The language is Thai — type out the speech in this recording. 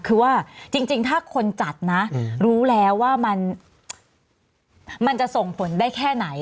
คือว่าจริงถ้าคนจัดนะรู้แล้วว่ามันจะส่งผลได้แค่ไหน